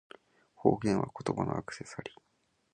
方言は、言葉のアクセサリー